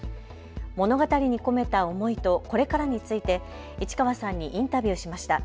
物語に込めた思いとこれからについて市川さんにインタビューしました。